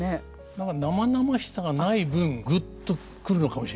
何か生々しさがない分グッと来るのかもしれませんね。